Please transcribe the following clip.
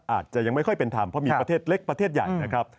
อาจจะยังไม่ค่อยเป็นธรรมเพราะมีประเทศเล็กประเทศใหญ่นะครับ